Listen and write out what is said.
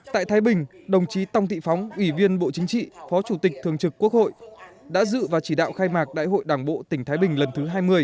tại thái bình đồng chí tòng thị phóng ủy viên bộ chính trị phó chủ tịch thường trực quốc hội đã dự và chỉ đạo khai mạc đại hội đảng bộ tỉnh thái bình lần thứ hai mươi